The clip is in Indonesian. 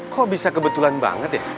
kok bisa kebetulan banget ya